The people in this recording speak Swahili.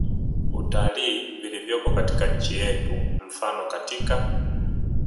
utalii vilivyoko katika nchi yetu Mfano katika